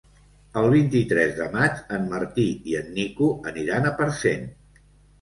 El vint-i-tres de maig en Martí i en Nico aniran a Parcent.